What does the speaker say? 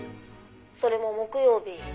「それも木曜日」